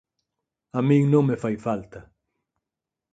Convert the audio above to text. A min non me fai falta.